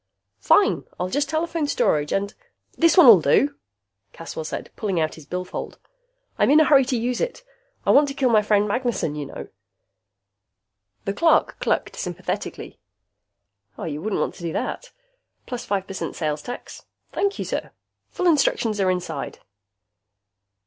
"Fine! I'll just telephone Storage and " "This one'll do," Caswell said, pulling out his billfold. "I'm in a hurry to use it. I want to kill my friend Magnessen, you know." The clerk clucked sympathetically. "You wouldn't want to do that ... Plus five percent sales tax. Thank you, sir. Full instructions are inside."